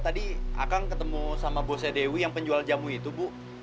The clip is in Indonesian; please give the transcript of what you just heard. tadi akang ketemu sama bosnya dewi yang penjual jamu itu bu